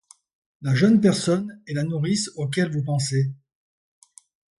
La jeune personne et la nourrice auxquelles vous pensez.